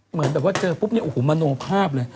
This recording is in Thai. เหมือนแบบว่าเจอปุ๊บเนี่ยโอ้โหมโนภาพเลย